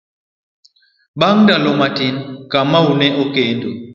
Bang' ndalo matin, Kamau ne okendo.